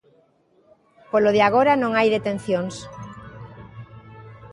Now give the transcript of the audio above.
Polo de agora non hai detencións.